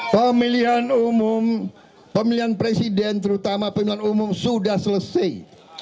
pemilihan umum pemilihan presiden terutama pemilihan umum sudah selesai